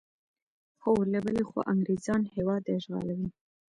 له بلې خوا انګریزیان هیواد اشغالوي.